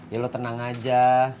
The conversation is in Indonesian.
ya lo tenang aja